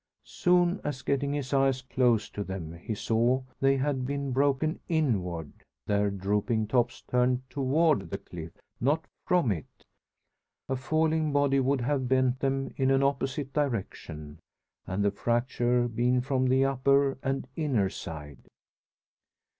Soon as getting his eyes close to them, he saw they had been broken inward, their drooping tops turned toward the cliff, not from it! A falling body would have bent them in an opposite direction, and the fracture been from the upper and inner side!